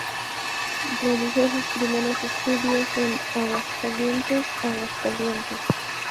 Realizó sus primeros estudios en Aguascalientes, Aguascalientes.